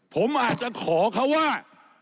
ผมอาจจะขอเขาว่า